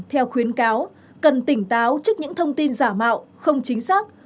theo khuyến cáo cần tỉnh táo trước những thông tin giả mạo không chính xác